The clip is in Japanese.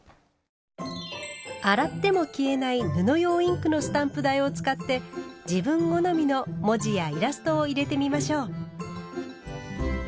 洗っても消えない布用インクのスタンプ台を使って自分好みの文字やイラストを入れてみましょう。